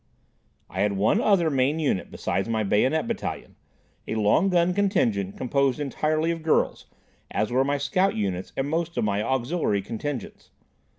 I had one other main unit besides my bayonet battalion, a long gun contingent composed entirely of girls, as were my scout units and most of my auxiliary contingents.